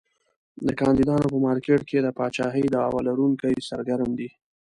د کاندیدانو په مارکېټ کې د پاچاهۍ دعوی لرونکي سرګرم دي.